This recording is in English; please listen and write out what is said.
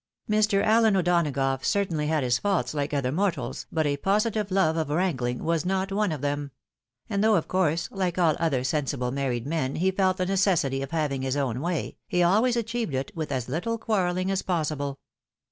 Mr. Allen O'Donagough certainly had his faults like other mortals, but a positive love of wrangling was not one of them ; MUTATIONS. 77 and though, of course, like all other sensible married men, he felt the necessity of having his own way, he always achieved it with as little quarrelling as possible.